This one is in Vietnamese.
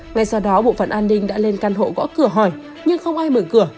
ngay sau đó bộ phận an ninh đã lên căn hộ gõ cửa hỏi nhưng không ai mở cửa